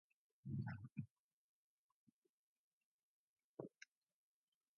Its coastal annexe is the holiday resort of Skala Potamias.